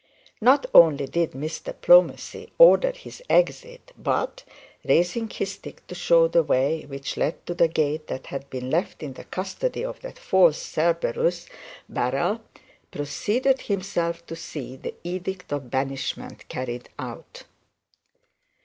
Not only did Mr Plomacy order his exit, but raising his stick to show the way which led to the gate that had been left in the custody of that false Cerberus Barrell, proceeded himself to see the edict of banishment carried out.